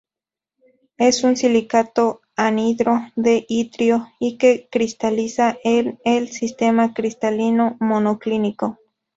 Es un silicato anhidro de itrio, y que cristaliza en el sistema cristalino monoclínico.